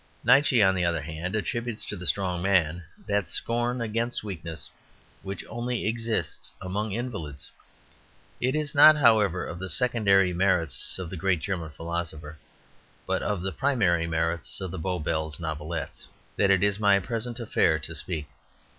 Nietzsche, on the other hand, attributes to the strong man that scorn against weakness which only exists among invalids. It is not, however, of the secondary merits of the great German philosopher, but of the primary merits of the Bow Bells Novelettes, that it is my present affair to speak.